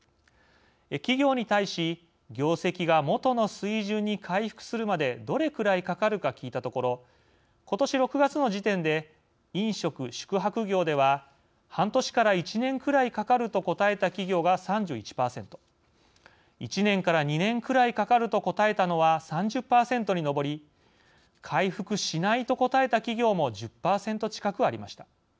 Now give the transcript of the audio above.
企業に対し業績が元の水準に回復するまでどれくらいかかるか聞いたところことし６月の時点で飲食・宿泊業では半年から１年くらいかかると答えた企業が３１％１年から２年くらいかかると答えたのは３０％にのぼり回復しないと答えた企業も１０％近くありました。